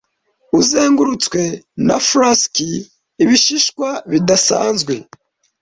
uzengurutswe na flasks ibishishwa bidasanzwe